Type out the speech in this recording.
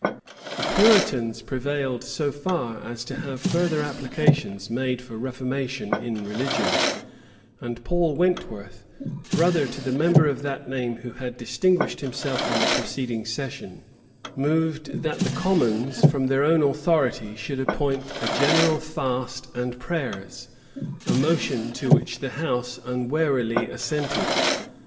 [] The Puritans prevailed so far as to have further applications made for reformation in religion:[] and Paul Wentworth, brother to the member of that name who had distinguished himself in the preceding session, moved, that the commons, from their own authority, should appoint a general fast and prayers; a motion to which the house unwarily assented.